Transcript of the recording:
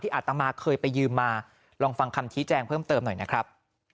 อาตมาเคยไปยืมมาลองฟังคำชี้แจงเพิ่มเติมหน่อยนะครับ